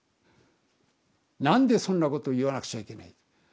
何でそんなこと言わなくちゃいけない。